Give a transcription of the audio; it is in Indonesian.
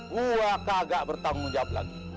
gua kagak bertanggung jawab lagi